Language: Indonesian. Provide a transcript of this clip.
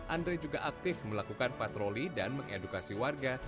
andre juga aktif melakukan patroli dan mengedukasi warga